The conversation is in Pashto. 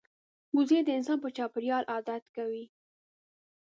وزې د انسان په چاپېریال عادت کوي